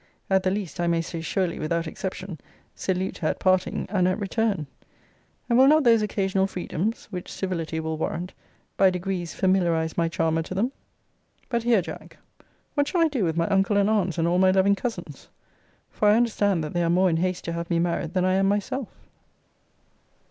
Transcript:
At the least, I may surely, without exception, salute her at parting, and at return; and will not those occasional freedoms (which civility will warrant) by degrees familiarize my charmer to them? But here, Jack, what shall I do with my uncle and aunts, and all my loving cousins? For I understand that they are more in haste to have me married than I am myself.